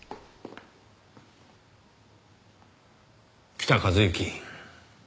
北一幸。